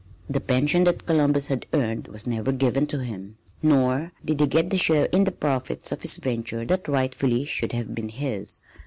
The pension that Columbus had earned was never given to him, nor did he get the share in the profits of his venture that rightfully should have been his.